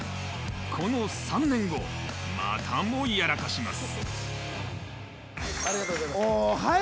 この３年後、またもやらかします。